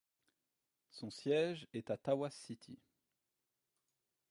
Son siège est à Tawas City.